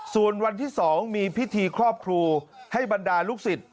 ส่วนวันที่๒มีพิธีครอบครูให้บรรดาลูกศิษย์